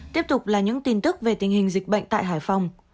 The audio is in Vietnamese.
tiếp tục là những tin tức về tình hình dịch bệnh tại hải phòng